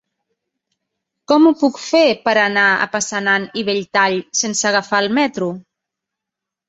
Com ho puc fer per anar a Passanant i Belltall sense agafar el metro?